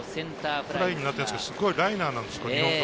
フライなんですけど、いいライナーなんですよ。